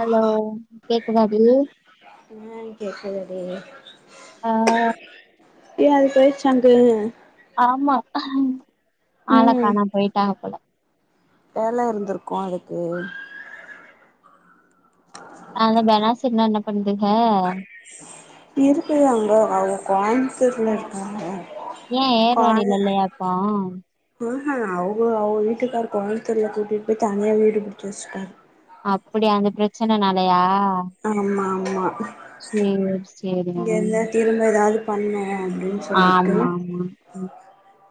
hello கேக்குதாடி ஆ கேக்குது டி ஆ ஏ அது போய்ச்சா அங்கயே ஆமா ஆள ம் காணா போயிட்டாங்க போல வேல இருந்திருக்கு அது கு அந்த பெனாசிர்லா என்னா பண்துங்க எதுக்கு அங்க அவங் கோயம்புத்தூர்ல இருக்காங்க ஏ ஏர்வாடில இல்லையா இப்போ ஆ அவுங்க அவுங்க வீட்டுக்கார் கோயம்பத்தூர்ல கூட்டிட்டு போய் தனியா வீடு புடிச்சு வச்ட்டாங் அப்டியா அந்த பிரச்சன நாலையா ஆமா ஆமா சேரி சேரி ஆ இங்க இருந்தா திரும்ப ஏதாவது பண்ணு அப்டின்னு சொல்லிட்டு ஆமா ஆமா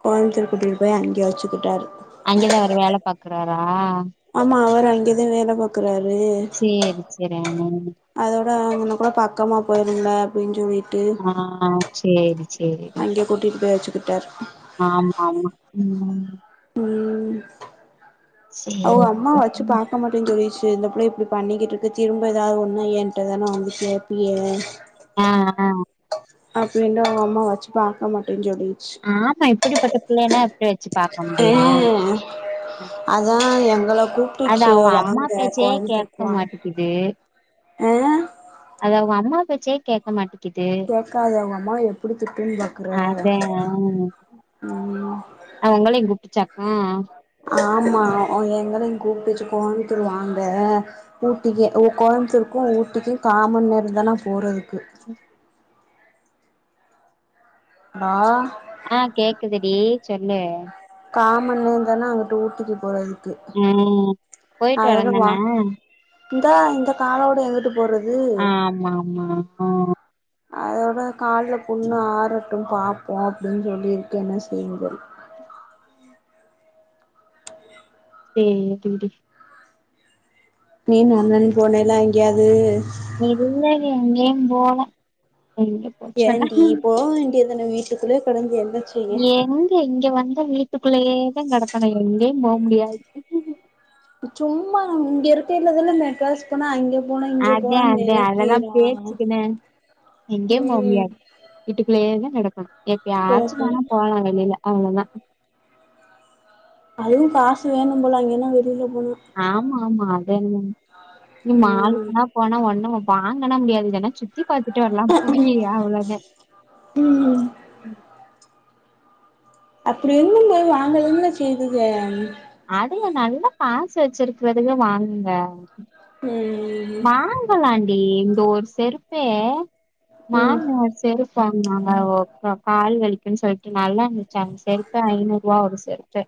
கோயம்பத்தூர் கூட்டிட்டு போய் அங்கேயே வச்சுக்கிட்டாரு அங்கேதா அவரு வேல பாக்குறாரா ஆமா அவரு அங்கேதா வேல பாக்குறாரு சேரி செரி அ அதோட இவன கூட பக்காமா போயிருந்த அப்டின்னு சொல்லிட்டு ஆ சேரி சேரிடி அங்கேயே கூட்டிட்டு போய் வச்சுக்கிட்டாரு ஆமா ஆமா ம் ம் ம் அவங்க சேரி அம்மா வெச்சு பாக்க மாட்டேன் சொல்லிச் டு இந்த பிள்ள இப்டி பண்ணிக்கிட்டு இருக்கு திரும்ப ஏதாவது ஒண்ணுனா ஏன்ட்ட தானா வந்து கேப்பியே ஆ ஆ அப்டின்டு அவங்க அம்மா வச்சு பாக்க மாட்டே சொல் ஆமா இப்படிப்பட்ட பிள்ளைன்னா எப்டி வச்சு பாக்க முடியு ம் அதா எங்கள அது கூப்ட்டுச்சு அவங்க அம்மா வாங்க பேச்சயே கோயம்புத்தூருக்கு கேக்க வாங்க மாட்டேக்குது ஆ அது அவங்க அம்மா பேச்சே கேக்க மாட்டேக் குது கேக்காத அவங்க அம்மாவ எப்டி திட்டுன்னு பாக்குற அதா அவங்களையு கூப்ட்டுச்சாகு ஆமா அது எங்கலையு கூப்ட்டுச்சு கோயம்புத்தூர் வாங்க ஊடிக்கு உ கோ யம்த்தூற்கு உட்டிக்கு காம நேர தானா போறதுக்கு மா ஆ கேக்குதுடி சொல்லு காம நேரதான அங்க்ட்டு ஊட்டிக்கு போறதுக் ம் போயிட்டு வரே வேந்தான இந்தேனா இந்த காலோட எங்குட்டு ஆ ஆமா ஆமா ஆ அதோட கால்ல புண்ணு ஆறட்டு பாப்போ அப்டின்னு சொல்லி இருக்கே என்ன செய்யும்போது சேரி டீ நீனு அண்ணன்னு போனீலா எங்யாது இல்லடி எங்கேயு போல எங்க போ ஏன்டி சொன்ன போ வேண்டியது தான வீட்டுக்குள்ளே கெடந் எங்க இங்க வந்த வீட்டுக்குள்ளேயேதா கேடக்கனு எங்க போ முடியாது சும்மா நா இங்க இருக்கல்லதான மெட்ராஸ் போனா அங்கே அதே அதே அதெல்லா பேச்சுக்குதா எங்கே போ ம் முடியாது வீட்டுக்குள்ளயேதா கெடக்கணு எப்பய்யாச்சு வேணா போலா வெளில அவ்ளோதா அதுவு காசு வேணு போல அங்கன்னா வெளியில போனா ஆமா ஆமா அத நீ ம் மாளுக்குனா போனா ஒண்ணு வாங்க என்னால முடியாது தானா சுத்தி பாத்துட்டு வரலா போயி ஆ அவளோ தா ம் அப்படி என்னங்க நாங்கள் என்ன செய்தது அதய நல்லா காசு வெச்சிருக்கறதுங்க வாங்குங்க ம் வாங்கலாண்டி இந்த ஒரு செருப்பே ம் மாமா செருப்வாங்குனாங்க [unintelligible] கால் வலிக்குன்னு சொல்ட்டு நல்லா இருந் ச்சா அந்த செருப்பே ஐநூறு ரூபா ஒரு செருப்பே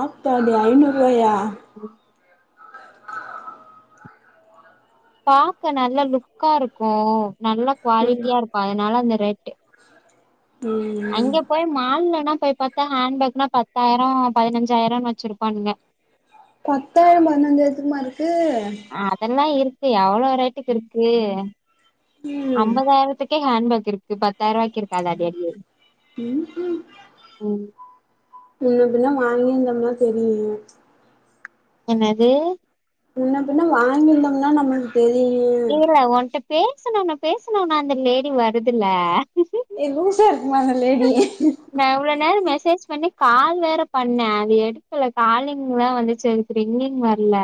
ஆத்தாடி ஐநூறு ரூபாயா ம் பாக்க நல்ல லுக்கா இருக்கு நல்லா ம் குவாலிட்டியா இருக்கு அதனால அந்த ரேட்டு ம் அங்க போய் மால்லனா போய் பாத் தா ஹேண்ட்பேக்னா பத்தாயிரோ பதினஞ்சாயிரோனு வெச்சிருப்பானுங்க பத்தாயிரோ பதினஞ்சாயிரத்துக்குமா இருக் அதெல்லா இருக்கு எவ்ளோ ரேட்டுக்கு இருக்கு ம் அம்பதாயிரத்துக்கே ஹேண்பேக் இருக்கு பத்தாயிரரூபாய்க் இருக்காதா அடி அடியே ம் ம் [unintelligible] வாங்கிருந்தமுனா தெரியு என்னது முன்ன பின்னா வாங்கியிருந்தோம்னா நம்மளுகு தெரியு பேசனுனா பேசனுனா அந்த லேடி வருதுல ஏ லூசர் நா இவ்ளோ நேரோ மெசேஜ் பண்ணி கால் வேற பண்ணே அது எடுக்கல காலிங்தா வந்துச்சு அதுக்கு ரிங்கிங் வரல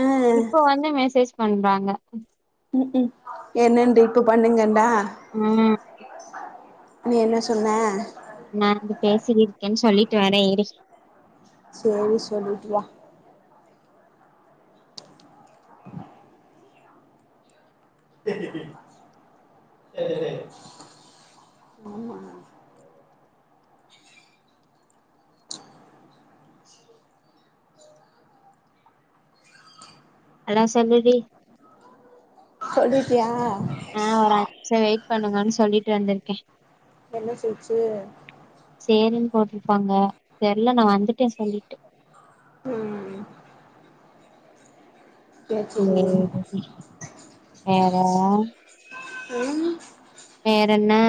ஆ இப்போ வந்து மெசேஜ் பண்றாங்க க்கும் என்னட்டு இப்போ பண்ணுங்கன்டா ம் நீ என்ன சொன்னே பேசி இருக்கேன்னு சொல்லிட்டு வரே இரு சேரி சொல்லிட்டு வா ஆமா அலோ சொல்லுடி சொல்லிட்டியா ஆ ஒரு அஞ்சு ம்ஷோ வெயிட் பண்ணுங்கனு சொல்லிட்டு வந்துருக்கே என்ன சொல்ச்சு ஏனின்னு போட்டுருப்பாங்க தெர்ல நா வந்துட்டே சொல்லிட்டு ம் சேரி டி வேற ம் வேறென்னே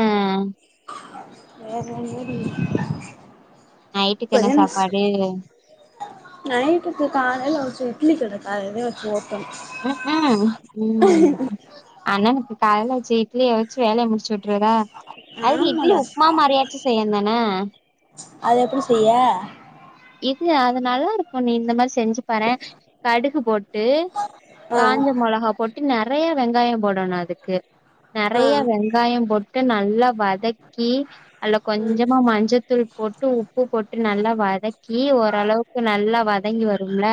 வேற என்னடி [inaudible] நைட்டுக்கு என்ன பெயனக்ஸ் சாப்பாடு நைட்டுக்கு காலைல வச்சு இட்லி கட காலைலே வச்சுருவோ ம்ம் ம் அண்ணனுக்கு காலைல வச்ச இட்லிய வச்சு வேலைய முடிச்சுவிட்ரறதா அதுக்கு இட்லி ஆமால உப்மா மாரியாச்சு செய்யணு தான அது எப்டி செய்ய இது அது நல்லா இருக்கு நீ இந்த மாரி செஞ்சு பாரே கடுகு போட்டு ஆ காஞ்ச மொளகா போட்டு நெறைய வெங்காய போடணு அதுக்கு ஆ நெறையா வெங்காய போட்டு நல்லா வதக்கி அதுல கொஞ்சமா மஞ்சத்தூள் போ போட்டு உப்பு போட்டு நல்லா வதக்கி ஓரளவுக்கு நல்லா வதங்கி வரும்ல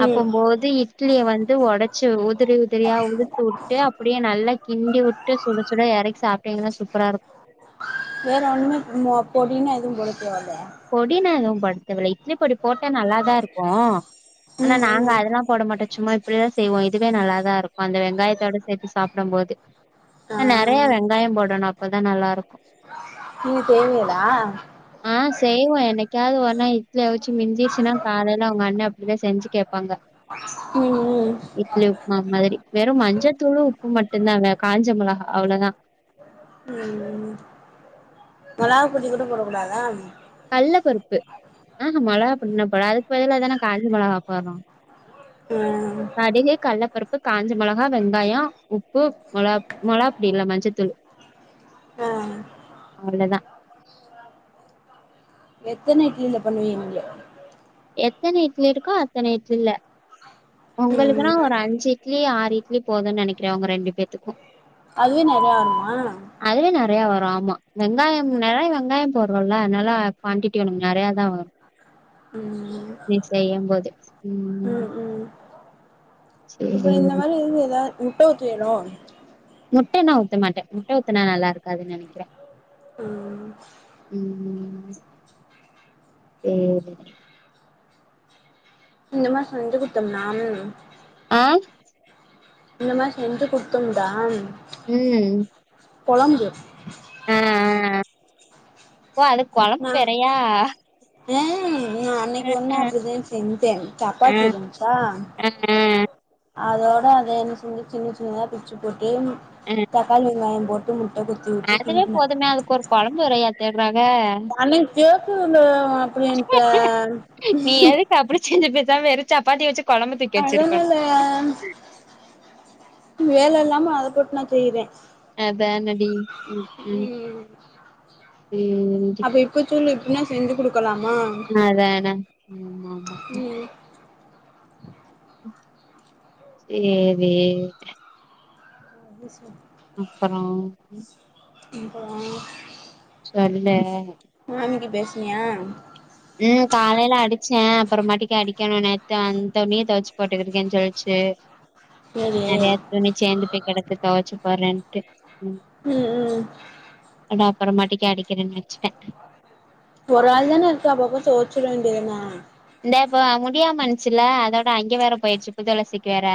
ம் அப்பம்போது இட்லிய வந்து ஒடச்சு உதிரி உதிரியா உதுத்துவுட்டு அப்டியே நல்லா கிண்டி உட்டு சுட சுட எறக்கி சாப்ட்டீங்கனா சூப்பரா இருக்கு வேற ஒன்னுமே இந்த பொடின்னா எதுவு போடக்கூடாதுல பொடினா எதுவு போடத்தேவல்ல இட்லிப் பொடி போட்டா நல்லாதா இருக்கு ஆனா ம் நாங்க ம் அதெல்லா போட மாட்டோ சும்மா இப்டிதா செய்வோ இதுவே நல்லாதா இருக்கு அந்த வெங்காயத்தோட சேத்து சாப்டம் போது ஆ நெறையா வெங்காய போடணு அப்பதா நல்லாருக்கு நீங்க செய்வீங்களா தேவ என்னைக்காது ஒரு நா இட்லி அவிச்சு மிஞ்சிர்ச்சுனா காலைல ஒங்க அண்ண அப்டிதா செஞ்சு கேப்பாங்க ம் ம் இட்லி உப்மா மாதிரி வெறு மஞ்சத்தூளு உப்பு மட்டுந்தாங்க காஞ்ச மொளகா அவளதா ம் மொளகா பொடி கூட போட கூடாதா கல்ல பருப்பு ஆஹ மொளகா பொடிலா போட அதுக்கு பதிலா தான காஞ்ச மொளகா போட்றோ ம் கடைலே கட்லப் பருப்பு உப்பு காஞ்ச மொளகா வெங்காய உப்பு மொளாப் மொளகாப்படி இல்ல மஞ்சத்தூளு ஆ அவளதா எத்தன இட்லில பண்ணுவீங் நீங்க எத்தன இட்லி இருக்கோ அத்தன இட்லில ம் ஒங்களுக்குனா ஒரு அஞ்சு இட்லி ஆறு இட்லி போதுன் நெனைக்கிறே ஒங்க ரெண்டு பேத்துக்கு அதுவே நெறையா வருமா அதுவே நெறையா வரு ஆமா வெங்காயம் நெறைய வெங்காய போட்றோல்ல அதனால குவான்டிட்டி ஒனக்கு நெறையா தா வரு ஆஹ நீ செய்யும் போது ம் இப்டி இந்த சேரி மாரி இருந்து எதாது முட்ட ஊத்துவியலோ த்த மாட்டே முட்ட ஊத்துனா நல்லா இருக்காதுன்னு நெனைக்கிறே ம் ம் சேரி இந்த மார் செஞ்சு குட்த்தம்னாம் ஆ இந்த மார் செஞ்சு குட்த்தோம் தான் ம் கொழம்பு ஆ ஆ ஓ அதுக் கொழம்பு வேறையா ஏ ம் நா அ அன்னைக்கு ஒன்னு அ அப்டிதா செஞ்சே அ சப்பாத்தி இருந்ச்சா அ அதோட அத என்ன செஞ்சே சின்ன சின்னதா பிச்சு போட்டு அ தக்காளி வெங்காய போட்டு முட் ட கொத்தி ஊத்தி அதுவே கிண்டுன போதுமே அதுக்கு ஒரு கொழம்பு வேறையா தேட்றாங்க அன்னைக்கே ஸ்கூலு அப்டின்ட்டான் தா வெறு சாப்பாட்டி வச்சு கொழம்பு தூக்கி வச்சிருக்கணு அதனால வேல இல்லாம அத போட்டு நா செய்றே அதா ஹாண்ட்ரைடிங் [unintelligible] ம் ம் ம் இன்னு செஞ்சு குடுக்கலாமா அதான ஆமா ஆமா ம் சேரி அது செரி இப்பதா இப்பதா அதுல மாமிக்கி பேசினியா ம் காலைல அடிச்சே அப்றோமாட்டிக்க அடிக்கணு நேத்து அந்த துணிய துவச்சு போட்டுட்டு இருக்கேனு சொல்ச்சு சேரி து நெறைய துணி சேந்து போய் கிடக்கு துவச்சு போறேன்ட்டு ம் அட அப்பறமாட்டிக்க அடிக்கிறே வச்சுட்டே ஒரு ஆள் தானே இருக்கு அப்பப்ப தோச்சுட வேண்டியதனே இந்த இப்ப முடியாம இருச்சுல அதோட அங்க வேற போய்டுச்சு புதுஅளசிக்கி வேற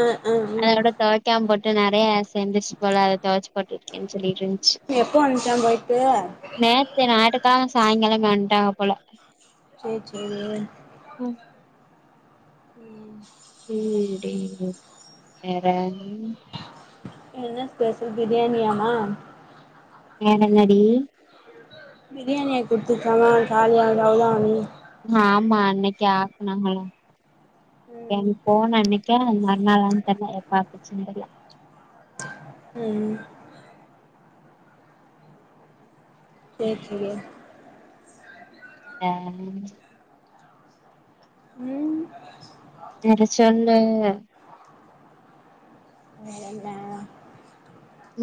ஆ ஆ ம் அதோட தொவைக்காம போ ட நெறைய சேந்துருச்சு போல அத துவச்சுப் போட்டுட்ருக்கேனு சொல்லிட்டு இருந் எப்போ வந்துச்சா போயிட்டு நேத்து நாட்டுகாளோ சாய்ங்காளோ வண்டாங்க போல செரி செரி ம் ம் திண்டே இரு வேற என்ன ஸ்பெஷல் பிரியாணியாமா வேற என்னாடி பிரியாணியா குடுத்துக்காங்க காலிய்டு அவ்ளோதா நீ ஆமா அன்னைக்கு ஆக்குனாங்களா என் ம் போனனைக்கா மறுநாளானு தெர்ல பாத்துச்சு நிம்மதியா ம் [unintelligible] டாங் ம் வேற சொல்லு வேறென்ன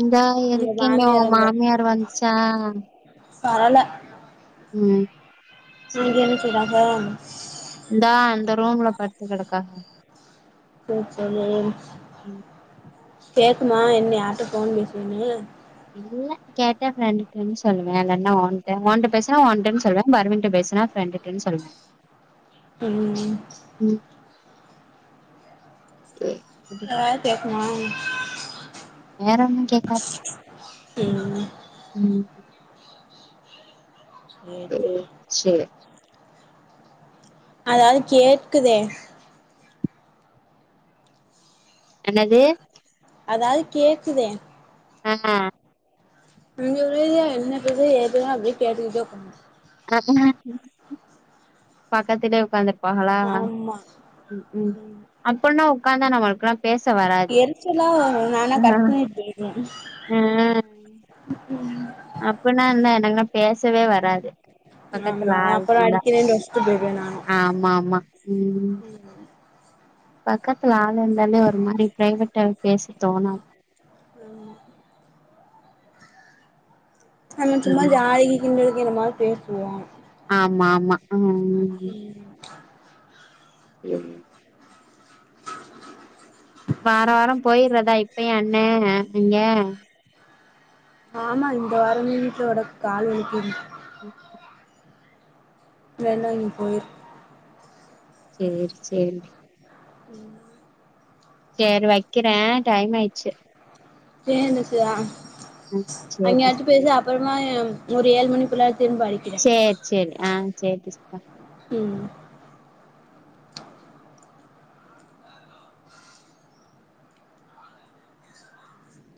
இந்தா இருக்கேமே ஓ எங்க மாமியார் வந்துச்சா வரல ம் இங்க சேரி என்ன செய்வாக இந்தா அந்த ரூம்ல படுத்து கெடக்கா செர்ச் செரி ம் கேக்குமா என் யார்ட்ட போன் பேசுவனு இல்ல கேட்ட ஃப்ரெண்டுட்டனு சொல்லுவே இல்லனா உன்ட உன்ட பேசுனா உன்டனு சொல்வே பர்வீன்ட பேசுனா ஃப்ரெண்டுட்டனு சொல்வே ம் சேரி விடு ஆ கேக்குமா வேற ஒன்னு கேக்காது ம் ம் சேரி சேரி ம் சேர் அதாவது கேக்குதே என்னது அதாவது கேக்குதே ஆஹ இங்க உள்ளது என்ன பேசுற ஏது பேசுன அப்டியே கேட்டுட்டே உக்காந் பக்கத்திலேயே உக்காந்து இருப்பாகலா ஆமா ம் ம் அப்பனா உக்காந்தான பாக்குரா பேச வராது எரிச்சலா வரு நானா ஆ கட் பண்ணிட்டு போயிருவே ம் அப்பனா என்ன எனக்குனா பேசவே வராது பக்கத்துல ஆமா ஆள் அப்றோ இருந்தா அடிக்குறேனு வச்சிட்டு போய்டுவே நானு ஆமா ஆமா ம் பக்கத்துல ஆ என்ன இருந்தாலுமே ஒரு மாரி பிரைவேட்டா பேசத் தோணாத் ஆமா நம்ம சும்மா ம் ஜாலிக்கு கிண்டலுக்கு இந்த மாரி பேசுவோ ஆமா ஆமா ம் ம் [unintelligible] வாரம் வாரம் போயி தா இப்ப அண்ண நீங்க ஆமா இந்த வாரம் மீட்டோட கால் வலிக்குது ம் வேணா நீ போயிரு சேரி சேரிங்க ப்ரோ உம் சரி வைக்கிறேன் டைம் ஆயிடுச்சு சேரிங்க சுதா ம் சேரி அங்கயாச்சும் பேசு அப்புறமா ஒரு ஏழு மணிக்குள்ள சேரி சேரி ஆஹ் சேரி சுதா ம்